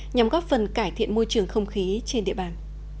nhằm góp phần cải thiện môi trường không khí trên địa bàn